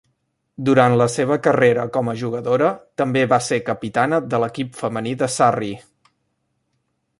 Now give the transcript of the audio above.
Durant la seva carrera com a jugadora, també va ser capitana de l'equip femení de Surrey.